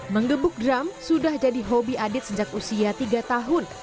mengebuk drum sudah jadi hobi adit sejak usia tiga tahun